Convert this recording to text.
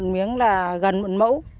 một miếng là gần một mẫu